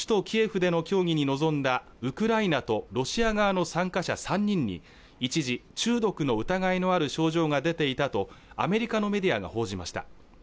キエフでの協議に臨んだウクライナとロシア側の参加者３人に一時中毒の疑いのある症状が出ていたとアメリカのメディアが報じました